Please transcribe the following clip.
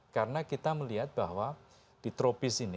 karena kita melihat bahwa di tropis ini